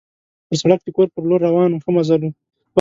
پر سړک د کور په لور روان وو، ښه مزل وو.